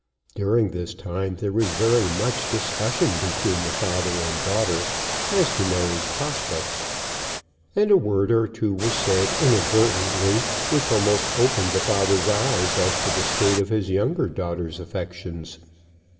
During this time there was very much discussion between the father and daughter as to Mary's prospects; and a word or two was said inadvertently which almost opened the father's eyes as to the state of his younger daughter's affections.